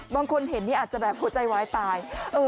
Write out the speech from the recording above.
บางคนเห็นนี่อาจจะแบบหัวใจวายตาย